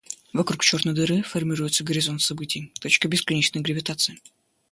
Вокруг черной дыры формируется горизонт событий — точка бесконечной гравитации.